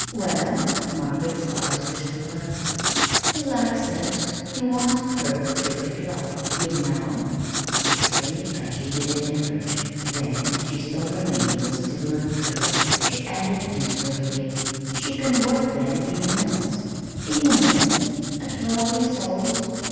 "Well?" Margaret's eyes were still puzzled. "He likes it. He wants her ter be twelve, ye know," explained Patty with an effort. Then, as she saw her meaning was still not clear, she added miserably: "She can work then in the mills." "In the mills at twelve years old!"